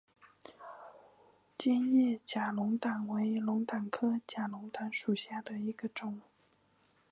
尖叶假龙胆为龙胆科假龙胆属下的一个种。